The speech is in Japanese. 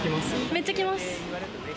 めっちゃ来ます。